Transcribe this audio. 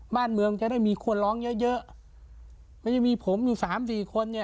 บ้านเมืองจะได้มีคนร้องเยอะเยอะไม่ใช่มีผมอยู่สามสี่คนเนี่ย